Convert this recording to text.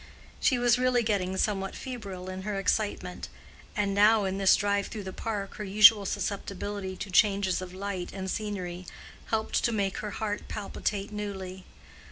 She was really getting somewhat febrile in her excitement; and now in this drive through the park her usual susceptibility to changes of light and scenery helped to make her heart palpitate newly.